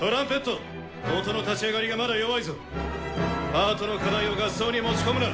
パートの課題を合奏に持ち込むな！